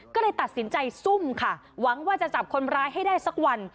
ก็เลยตัดสินใจซุ่มค่ะหวังว่าจะจับคนร้ายให้ได้สักวัน